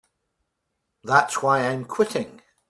That's why I'm quitting.